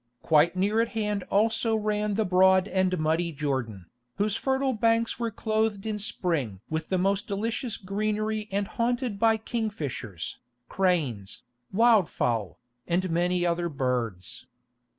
Quite near at hand also ran the broad and muddy Jordan, whose fertile banks were clothed in spring with the most delicious greenery and haunted by kingfishers, cranes, wildfowl, and many other birds.